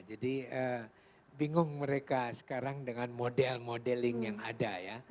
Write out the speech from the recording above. jadi bingung mereka sekarang dengan model modeling yang ada ya